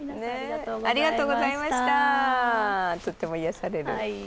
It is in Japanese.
とっても癒やされる。